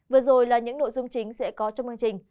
vừa rồi là những nội dung chính sẽ có trong chương trình